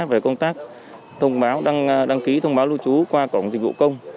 về công tác thông báo đăng ký thông báo lưu trú qua cổng dịch vụ công